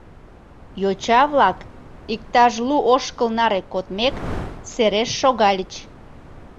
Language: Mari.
Йоча-влак, иктаж лу ошкыл наре кодмек, сереш шогальыч.